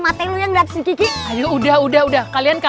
mas surya oke pak bisa dance